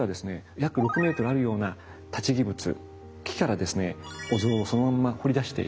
約６メートルあるような立木仏木からですねお像をそのまんま彫り出しているんです。